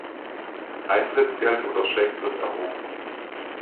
Eintrittsgeld oder Scheck wird erhoben.